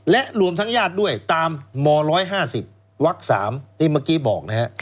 และรวมทั้งญาติด้วยตามม๑๕๐วัก๓ที่เมื่อกี้บอกนะฮะ